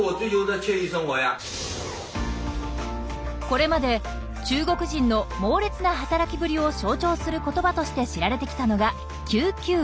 これまで中国人の猛烈な働きぶりを象徴する言葉として知られてきたのが「９９６」。